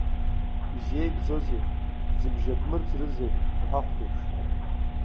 Изиеигӡозеи, дзыбжьадмырӡрызеи аҳәахәдеиԥш!